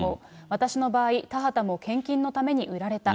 私の場合、田畑も献金のために売られた。